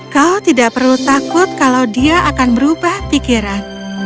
kau tidak perlu takut kalau dia akan berubah pikiran